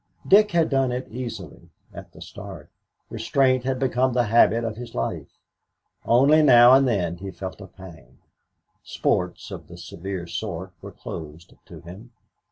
Dick had done it easily at the start. Restraint had become the habit of his life. Only now and then he felt a pang. Sports of the severe sort were closed to him.